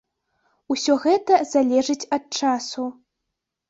Усё гэта залежыць ад часу.